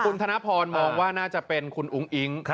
คุณธนพรมองว่าน่าจะเป็นคุณอุ้งอิ๊ง